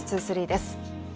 ２３です。